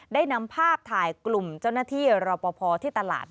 ได้นำภาพถ่ายกลุ่มเจ้าหน้าที่รอปภที่ตลาด